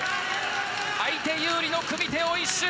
相手有利の組み手を一蹴。